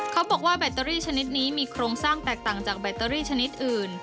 แบตเตอรี่ชนิดนี้มีโครงสร้างแตกต่างจากแบตเตอรี่ชนิดอื่น